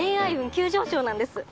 急上昇なんです。